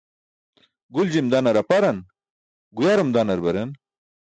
Guljim danar aparan, guyarum danar baren.